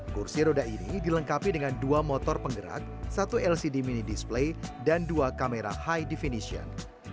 kursi roda ini dilengkapi dengan dua motor penggerak satu lcd mini display dan dua kamera high definition